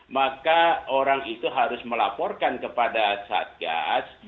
maka orang itu harus melaporkan kepada satgas